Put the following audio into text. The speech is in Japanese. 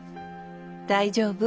大丈夫。